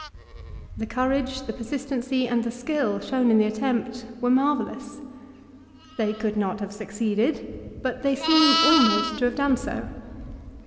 The courage, the persistency, and the skill, shown in the attempt were marvellous. They could not have succeeded, but they seem almost to have done so.